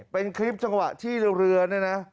เป็นคลิปจังหวะที่เรือเนี่ยนะ